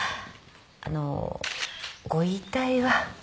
あのご遺体は？